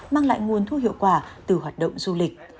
mang lại nguồn thu hiệu quả từ hoạt động du lịch